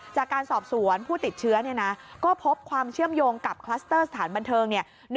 จากการสอบสวนผู้ติดเชื้อก็พบความเชื่อมโยงกับคลัสเตอร์สถานบันเทิง